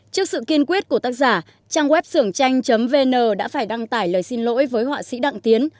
trước sự kiên quyết của tác giả trang web sưởng tranh vn đã phải đăng tải lời xin lỗi với họa sĩ đặng tiến